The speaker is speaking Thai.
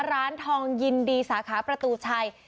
ร้านทองยินดีสาขาประตูชัย